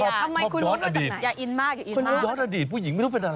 อย่าอย่าชอบกอร์ดอดีตอย่าอินมากอย่าอินมากคุณรู้กอร์ดอดีตผู้หญิงไม่รู้เป็นอะไร